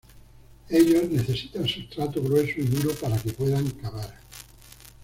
Ellos necesitan sustrato grueso y duro para que puedan cavar.